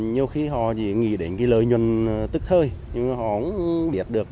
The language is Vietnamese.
nhiều khi họ nghĩ đến cái lợi nhuận tức thơi nhưng họ không biết được